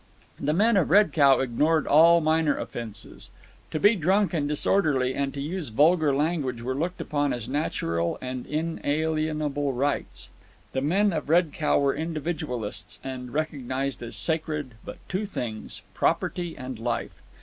The men of Red Cow ignored all minor offences. To be drunk and disorderly and to use vulgar language were looked upon as natural and inalienable rights. The men of Red Cow were individualists, and recognized as sacred but two things, property and life.